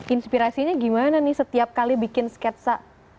inspirasinya gimana nih setiap kali bikin sketsa